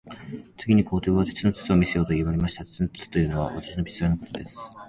次に皇帝は、鉄の筒を見せよと言われました。鉄の筒というのは、私のピストルのことです。